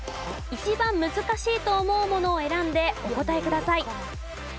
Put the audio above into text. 一番難しいと思うものを選んでお答えください。